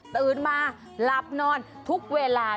ตื่นมาหลับนอนทุกเวลา